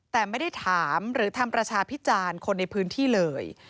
แต่ไม่ได้ถามหรือทำประชาพิจารณ์คนในพื้นที่เลย